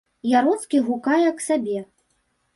Яроцкі гукае к сабе.